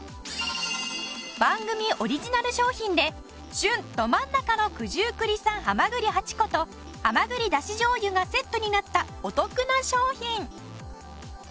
番組オリジナル商品で旬ど真ん中の九十九里産蛤８個と蛤だし醤油がセットになったお得な商品。